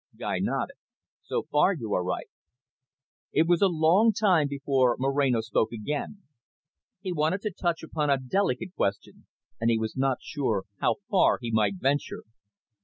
Guy nodded. "So far, you are right." It was a long time before Moreno spoke again. He wanted to touch upon a delicate question, and he was not sure how far he might venture.